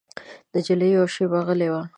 نجلۍ یوه شېبه غلی وه.